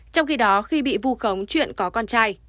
trong khi đó khi bị vu khống chuyện có con trai